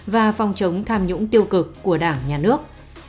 và phòng chống tham nhũng tiêu cực của đảng nhà nước